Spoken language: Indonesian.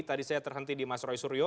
tadi saya terhenti di mas roy suryo